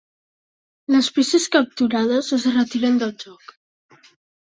Les peces capturades es retiren del joc.